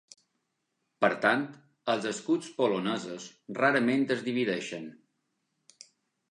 Per tant, els escuts polonesos rarament es divideixen.